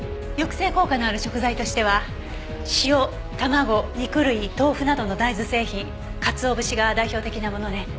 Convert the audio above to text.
抑制効果のある食材としては塩卵肉類豆腐などの大豆製品かつお節が代表的なものね。